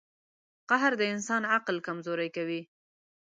• قهر د انسان عقل کمزوری کوي.